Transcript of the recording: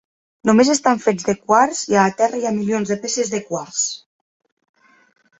Només estan fets de quars i a la terra hi ha milions de peces de quars.